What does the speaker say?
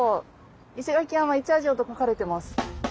「石垣山一夜城」と書かれてます。